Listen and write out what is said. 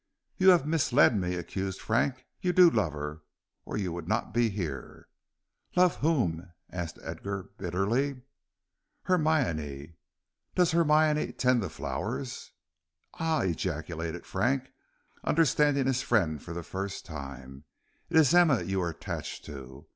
"You have misled me," accused Frank; "you do love her, or you would not be here." "Love whom?" asked Edgar, bitterly. "Hermione." "Does Hermione tend the flowers?" "Ah!" ejaculated Frank, understanding his friend for the first time; "it is Emma you are attached to.